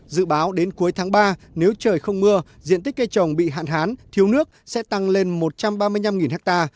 dự báo đến cuối tháng ba nếu trời không mưa diện tích cây trồng bị hạn hán thiếu nước sẽ tăng lên một trăm ba mươi năm ha